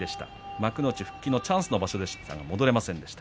幕内復帰のチャンスの場所でしたが戻れませんでした。